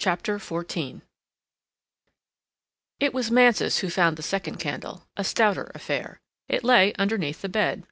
CHAPTER XIV It was Mansus who found the second candle, a stouter affair. It lay underneath the bed.